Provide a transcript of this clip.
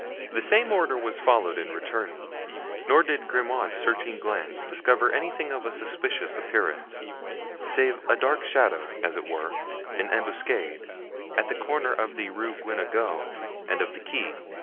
The same order was followed in returning, nor did Grimaud's searching glance discover anything of a suspicious appearance, save a dark shadow, as it were, in ambuscade, at the corner of the Rue Guenegaud and of the Quai.